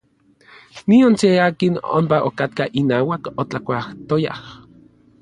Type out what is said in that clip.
Nion se akin ompa okatkaj inauak otlakuajtoyaj.